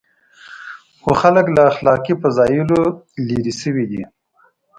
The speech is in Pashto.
خو خلک له اخلاقي فضایلو لرې شوي دي.